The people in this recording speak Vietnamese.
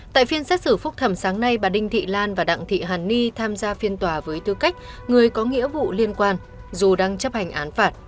tại phiên xét xử phúc thẩm sáng nay bà đinh thị lan và đặng thị hàn ni tham gia phiên tòa với tư cách người có nghĩa vụ liên quan dù đang chấp hành án phạt